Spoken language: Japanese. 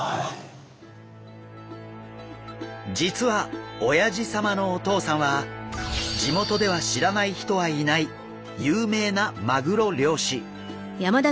実はおやじ様のお父さんは地元では知らない人はいない有名なマグロ漁師。